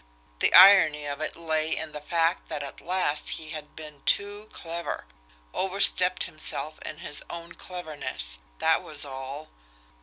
The irony of it lay in the fact that at last he had been TOO clever, overstepped himself in his own cleverness, that was all.